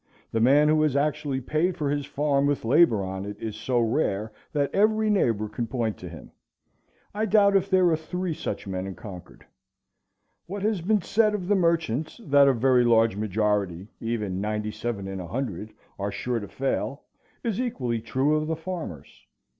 The man who has actually paid for his farm with labor on it is so rare that every neighbor can point to him. I doubt if there are three such men in Concord. What has been said of the merchants, that a very large majority, even ninety seven in a hundred, are sure to fail, is equally true of the farmers.